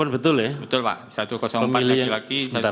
betul pak satu ratus empat lagi lagi